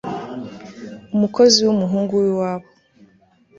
n'umukozi w'umuhungu w'iwabo